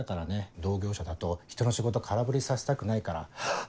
同業者だとひとの仕事空振りさせたくないからハッ！